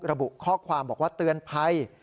ระบุข้อความบอกว่าเตือนภัย